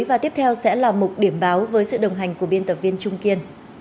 và tiếp theo sẽ là mục điểm báo với sự đồng hành của biên tập viên trung kiên